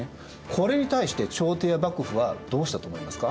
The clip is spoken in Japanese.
これに対して朝廷や幕府はどうしたと思いますか？